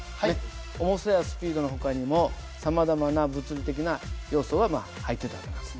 重さやスピードのほかにもさまざまな物理的な要素が入ってた訳なんです。